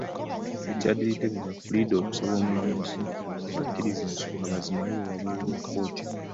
Ekyaddiridde be bapuliida okusaba omulamuzi abakkirize ensonga bazimalire wabweru wa kkooti.